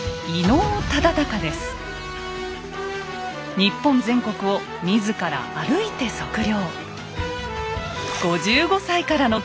日本全国を自ら歩いて測量。